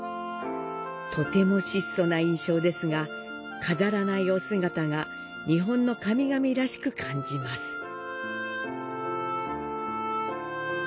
とても質素な印象ですが、飾らないお姿が日本の神々らしく感じます。